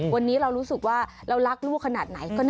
วันนี้เรารู้สึกว่าเรารักลูกขนาดไหน